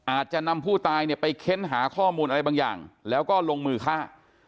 อาจจะนำผู้ตายเนี่ยไปค้นหาข้อมูลอะไรบางอย่างแล้วก็ลงมือฆ่า